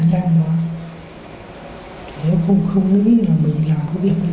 nhanh quá thì em không không nghĩ là mình làm cái việc cái